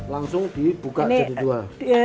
langsung dibuka jadi dua